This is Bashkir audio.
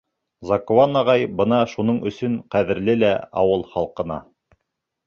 Закуан ағай бына шуның өсөн ҡәҙерле лә ауыл халҡына.